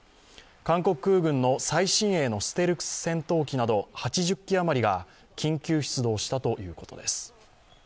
韓国空軍の最新鋭のステルス戦闘機など８０機あまりが緊急出動したということです。